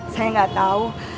saya gak tau